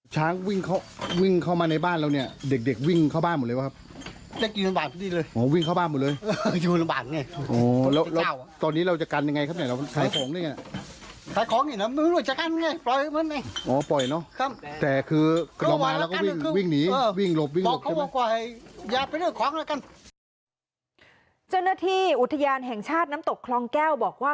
เจ้าหน้าที่อุทยานแห่งชาติน้ำตกคลองแก้วบอกว่า